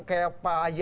kayak pak haji